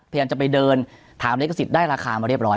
เพียงจะไปเดินถามเล็กซิตได้ราคามาเรียบร้อย